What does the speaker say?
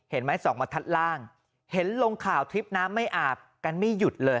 ไม้ส่องมาทัดล่างเห็นลงข่าวทริปน้ำไม่อาบกันไม่หยุดเลย